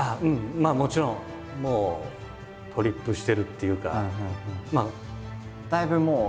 まあもちろんもうトリップしてるっていうか。